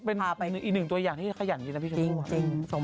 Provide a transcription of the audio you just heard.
เป็นอีกหนึ่งตัวอย่างที่ขยันจริงนะพี่ชมพูอ่ะจริง